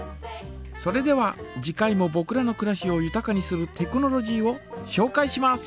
それでは次回もぼくらのくらしをゆたかにするテクノロジーをしょうかいします。